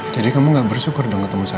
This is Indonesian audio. jadi kamu gak bersyukur dong ketemu saya